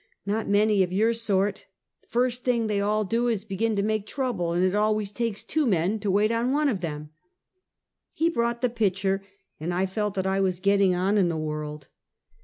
I*Tot many of your sort. First thing tliev all do is to begin to make trouble, and it always takes two men to wait on one of them." He brought the pitcher, and I felt that I was getting on in the world.